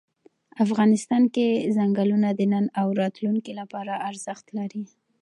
افغانستان کې چنګلونه د نن او راتلونکي لپاره ارزښت لري.